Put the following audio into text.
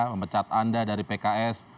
memecat anda dari pks